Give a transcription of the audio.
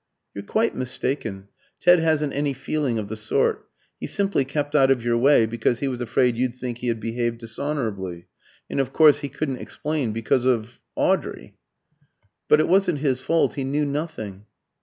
"You're quite mistaken. Ted hasn't any feeling of the sort. He simply kept out of your way because he was afraid you'd think he had behaved dishonourably; and of course he couldn't explain because of Audrey. But it wasn't his fault. He knew nothing."